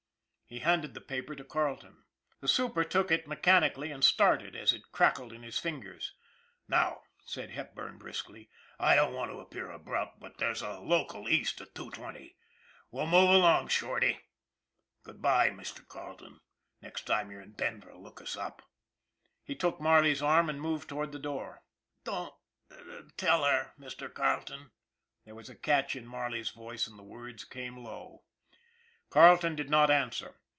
He handed the paper to Carleton. The super took it mechanically, and started as it crackled in his fingers. " Now," said Hepburn briskly, " I don't want to appear abrupt, but there's a local East at two twenty. We'll move along, Shorty. Good by, Mr. Carleton. Next time you're in Denver look us up." He took Marley's arm and moved toward the door. " Don't tell her, Mr. Carleton " there was a catch in Marley's voice, and the words came low. Carleton did not answer.